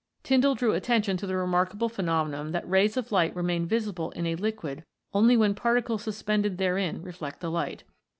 Tyndall drew attention to the remarkable phenomenon that rays of light remain visible in a liquid only when particles suspended therein reflect the light.